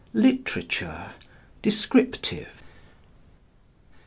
LITERATURE DESCRIPTIVE.